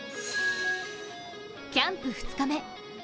キャンプ２日目。